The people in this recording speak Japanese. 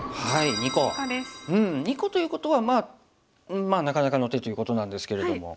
２個ということはまあなかなかの手ということなんですけれども。